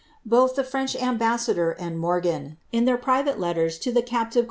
Both tbo Cicach nmhassBtlor and Murgan, in ihetr private letters to the captive II'.